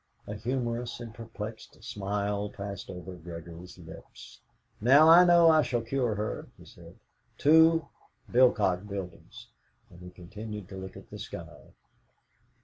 A humorous and perplexed smile passed over Gregory's lips. "Now I know I shall cure her," he said. "2 Bilcock Buildings." And he continued to look at the sky.